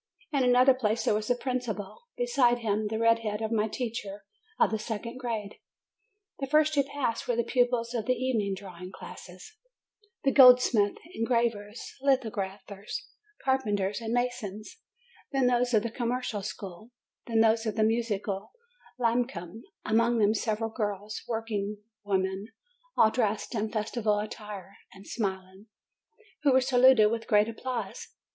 In another place there was the principal; behind him, the red head of my teacher of the second grade. The first to pass were the pupils of the evening drawing classes the goldsmiths, engravers, lithog raphers, carpenters, and masons; then those of the commercial school; then those of the Musical Lyceum, among them several girls, workingwomen, all dressed in festival attires an d smiling, who were saluted with great applause.